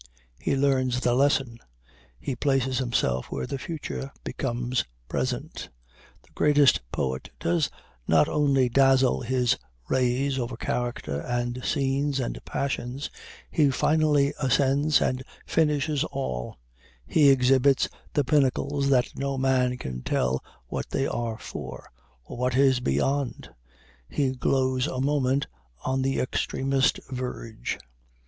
He learns the lesson he places himself where the future becomes present. The greatest poet does not only dazzle his rays over character and scenes and passions he finally ascends, and finishes all he exhibits the pinnacles that no man can tell what they are for, or what is beyond he glows a moment on the extremest verge.